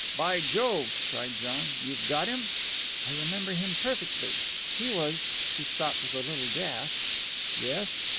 "By Jove!" cried John. "You've got him?" "I remember him perfectly. He was " She stopped with a little gasp. "Yes?"